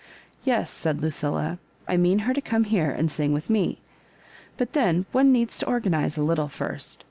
"Yes," said Lucilla, *'I mean her to como here and sing with me ; but, then, one needs to organise a little first.